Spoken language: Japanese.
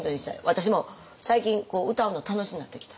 私も最近歌うの楽しなってきた。